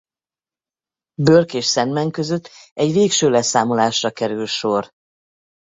Burke és Sandman között egy végső leszámolásra kerül sor.